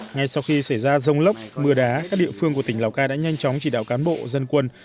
ngay sau khi xảy ra rông lốc mưa đá các địa phương của tỉnh lào cai đã nhanh chóng chỉ đạo cán bộ dân quân